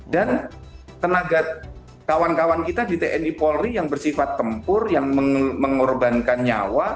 dan tenaga kawan kawan kita di tni polri yang bersifat tempur yang mengorbankan nyawa